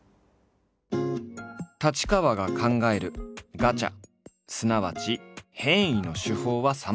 太刀川が考える「ガチャ」すなわち変異の手法はさまざまだ。